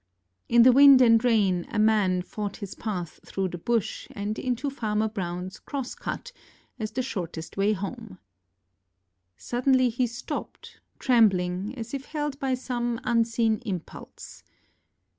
In the wind and rain a man fought his path through the bush and into Farmer BrownŌĆÖs ŌĆ£cross cut, ŌĆØ as the shortest way home. Suddenly he stopped, trembling, as if held by some unseen impulse.